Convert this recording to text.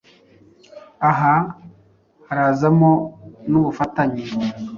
Aha harazamo n ubufatanye